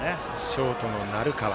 ショートの鳴川。